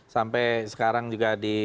sampai sekarang juga di